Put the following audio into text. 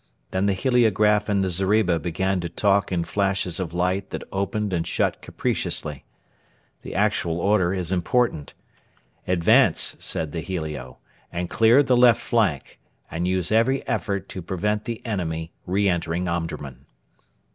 Then the heliograph in the zeriba began to talk in flashes of light that opened and shut capriciously. The actual order is important. 'Advance,' said the helio, 'and clear the left flank, and use every effort to prevent the enemy re entering Omdurman.'